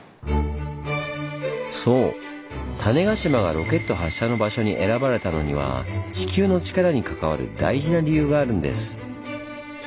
そう種子島がロケット発射の場所に選ばれたのには地球のチカラに関わる大事な理由があるんです。